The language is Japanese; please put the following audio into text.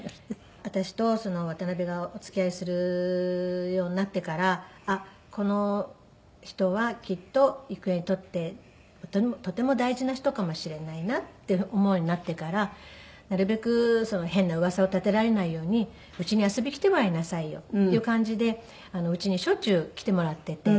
私と渡辺がお付き合いするようになってから「あっこの人はきっと郁恵にとってとても大事な人かもしれないな」って思うようになってから「なるべく変なうわさを立てられないようにうちに遊びに来てもらいなさいよ」っていう感じでうちにしょっちゅう来てもらっていて。